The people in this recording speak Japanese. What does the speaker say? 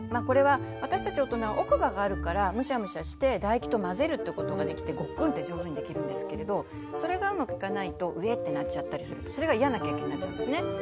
これは私たち大人は奥歯があるからムシャムシャして唾液と混ぜるってことができてごっくんって上手にできるんですけれどそれがうまくいかないとうぇってなっちゃったりするとそれが嫌な経験になっちゃうんですね。